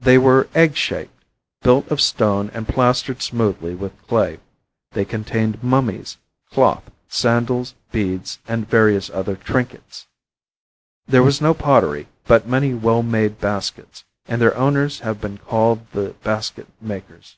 They were egg shaped, built of stone and plastered smoothly with clay. They contained mummies, cloth, sandals, beads and various other trinkets. There was no pottery, but many well made baskets, and their owners have been called the basket makers.